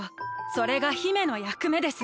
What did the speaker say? それが姫のやくめです。